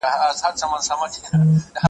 چي اسمان پر تندي څه درته لیکلي ,